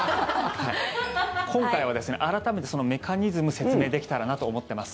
今回は改めて、そのメカニズム説明できたらなと思ってます。